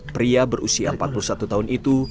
pria berusia empat puluh satu tahun itu